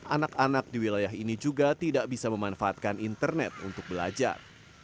anak anak di wilayah ini juga tidak bisa memanfaatkan internet untuk belajar